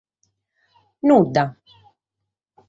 Nudda!